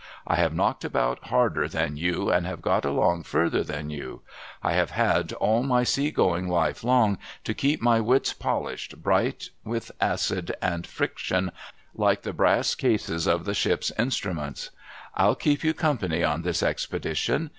I have knocked about harder than you, and have got along further than you, I have had, all my sea going life long, to keep my wits polished bright with acid and friction, like the brass cases of the ship's instruments. I'll keep you company on this expedition.